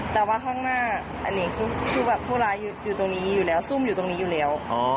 แต่ว่าข้างหน้าอันนี้คือแบบผู้ร้ายอยู่ตรงนี้อยู่แล้วซุ่มอยู่ตรงนี้อยู่แล้ว